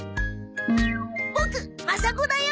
ボクマサ五だよ。